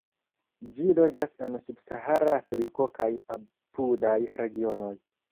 Ĝi loĝas en subsahara Afriko kaj apudaj regionoj.